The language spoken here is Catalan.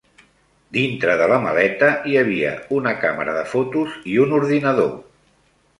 Dintre de la maleta hi havia una càmera de fotos i un ordinador.